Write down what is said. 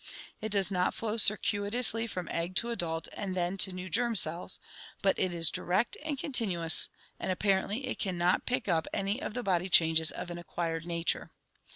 It does not flow circuitously from egg to adult and then to new germ cells, but it is direct and continuous, and apparently it can not pick up any of the body changes of an acquired nature.